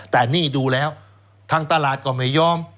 แต่นี่ดูแล้วทางตลาดก็ไม่ยอม